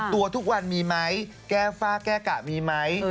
ทุกวันมีไหมแก้ฝ้าแก้กะมีไหม